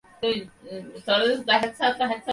জড়ের মত একঘেয়ে কাজ করতে করতে জড়বৎ হয়ে যায়।